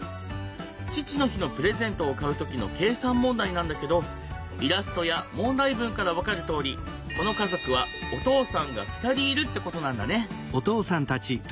父の日のプレゼントを買う時の計算問題なんだけどイラストや問題文から分かるとおりこの家族はお父さんが２人いるってことなんだね。